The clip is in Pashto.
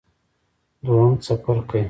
دویم څپرکی